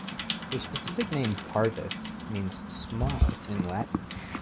The specific name "parvus" means "small" in Latin.